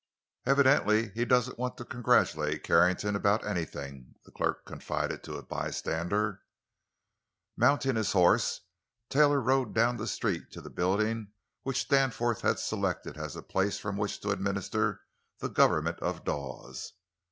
"Evidently he doesn't want to congratulate Carrington about anything," the clerk confided to a bystander. Mounting his horse, Taylor rode down the street to the building which Danforth had selected as a place from which to administer the government of Dawes.